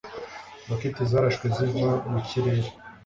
Roketi zarashwe ziva mu kirere.